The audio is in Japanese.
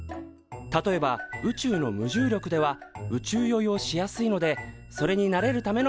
例えば宇宙の無重力では宇宙よいをしやすいのでそれに慣れるための訓練。